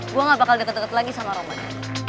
gue gak bakal deket deket lagi sama romanya